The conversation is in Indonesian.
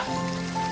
wanita itu menangis